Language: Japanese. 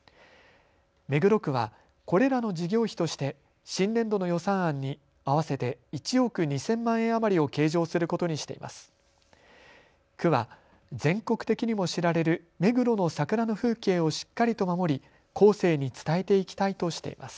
目黒区はこれらの事業費として新年度の予算案に合わせて１億２０００万円余りを計上することにしています。